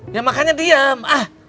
ya makanya diam